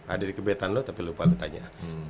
ada di kebetan lo tapi lupa lu tanya